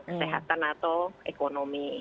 kesehatan atau ekonomi